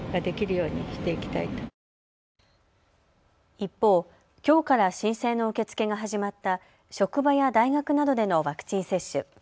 一方、きょうから申請の受け付けが始まった職場や大学などでのワクチン接種。